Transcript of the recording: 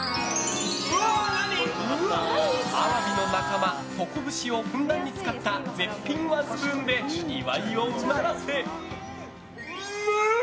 アワビの仲間トコブシをふんだんに使った絶品ワンスプーンで岩井をうならせ。